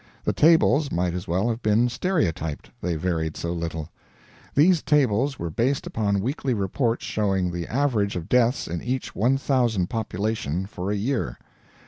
The tables might as well have been stereotyped, they varied so little. These tables were based upon weekly reports showing the average of deaths in each 1,000 population for a year.